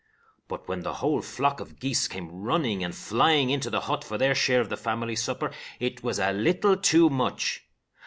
But when the whole flock of geese came running and flying into the hut for their share of the family supper, it was a little too much.